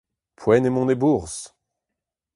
Poent eo mont e bourzh !